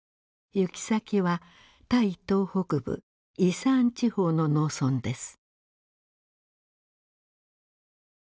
行き先はタイ東北部イサーン地方の農村です。